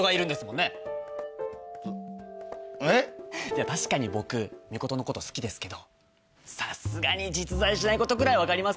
いや確かに僕ミコトのこと好きですけどさすがに実在しないことぐらい分かりますよ。